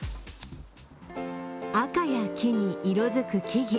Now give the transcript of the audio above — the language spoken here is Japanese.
赤や黄に色づく木々。